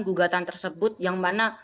gugatan tersebut yang mana